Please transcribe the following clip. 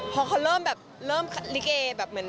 พอเขาเริ่มกัลลิกอเอน